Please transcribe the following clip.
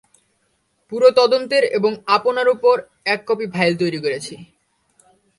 পুরো তদন্তের এবং আপনার উপর এক কপি ফাইল তৈরি করেছি।